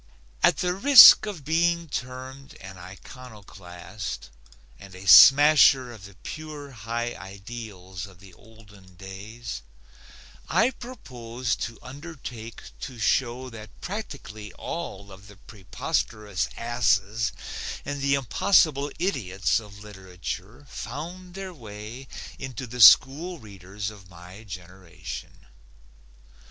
At the risk of being termed an iconoclast and a smasher of the pure high ideals of the olden days, I propose to undertake to show that practically all of the preposterous asses and the impossible idiots of literature found their way into the school readers of my generation.